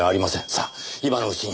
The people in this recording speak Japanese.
さあ今のうちに。